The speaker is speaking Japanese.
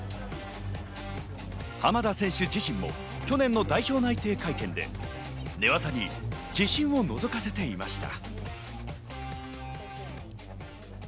浜田選手自身も去年の代表内定会見で、寝技に自信をのぞかせていました。